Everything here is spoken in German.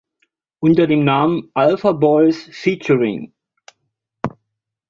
Unter dem Namen „Alpha Boys feat.